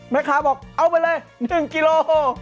แม่ค้าบอกเอาไปเลย๑กิโล